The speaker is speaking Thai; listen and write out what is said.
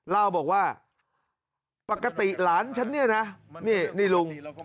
เล่าบอกว่าปกติหลานฉันเนี่ยนะนี่ลุง